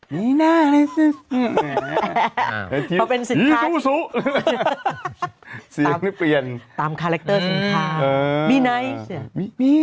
เพราะเป็นสินค้าเสียงไม่เปลี่ยนตามคาแรคเตอร์สินค้าเออ